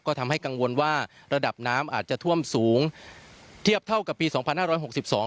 ก็ทำให้กังวลว่าระดับน้ำอาจจะท่วมสูงเทียบเท่ากับปีสองพันห้าร้อยหกสิบสอง